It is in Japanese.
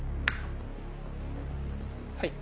はい。